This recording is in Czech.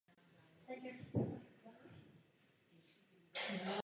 Používají ji všechny vesmírné lodě v naší galaxii i v galaxii Pegasus.